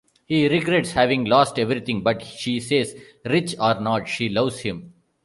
He regrets having lost everything, but she says, rich or not, she loves him.